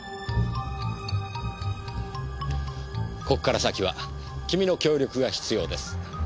ここから先は君の協力が必要です。